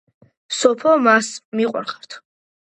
სოფო მასწ მიყვარხართ